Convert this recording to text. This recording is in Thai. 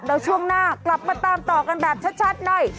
เดี๋ยวช่วงหน้ากลับมาตามต่อกันแบบชัดหน่อย